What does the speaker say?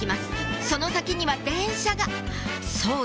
その先には電車がそうだ！